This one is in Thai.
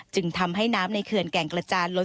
จึงทำให้น้ำในเขื่อนแก่งกระจานลด